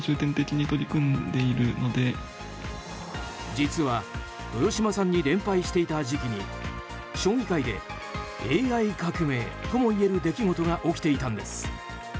実は豊島さんに連敗していた時期に将棋界でＡＩ革命ともいえる出来事が起きていたんです。